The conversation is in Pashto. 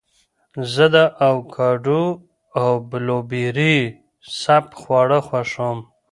زه د اوکاډو او بلوبېري سپک خواړه خوښوم.